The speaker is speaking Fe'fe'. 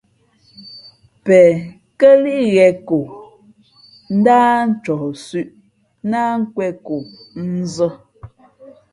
Pen kά lǐʼ ghēn ko, ndáh ncohsʉ̄ʼ ná nkwe᷇n ko nzᾱ.